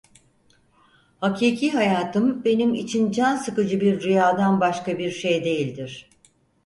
Hakiki hayatım benim için can sıkıcı bir rüyadan başka bir şey değildir…